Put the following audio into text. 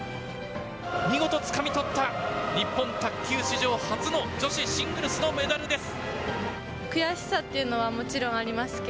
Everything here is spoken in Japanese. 見事つかみ取った日本卓球史上初の女子シングルスのメダルです。